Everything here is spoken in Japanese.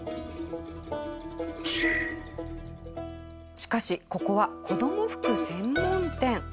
しかしここは子ども服専門店。